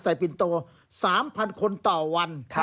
ปินโต๓๐๐คนต่อวัน